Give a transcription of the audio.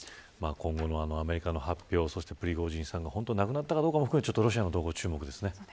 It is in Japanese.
今後のアメリカの発表そしてプリゴジンさんが本当に亡くなったかも含めてロシアの動向に注目です。